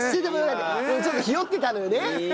俺ちょっと日和ってたのよね。